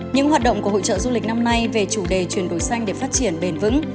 những hoạt động của hội trợ du lịch năm nay về chủ đề chuyển đổi xanh để phát triển bền vững